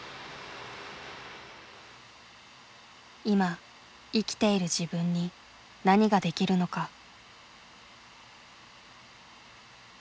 いま生きている自分に何ができるのか。